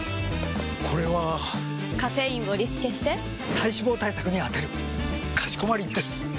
これはカフェインをリスケして体脂肪対策に充てるかしこまりです！！